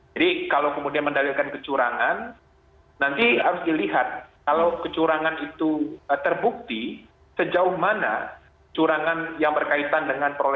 jadi kalau kemudian mendalilkan kecurangan nanti harus dilihat kalau kecurangan itu terbukti sejauh mana curangan yang berkaitan dengan